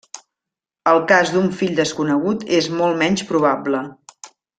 El cas d'un fill desconegut és molt menys probable.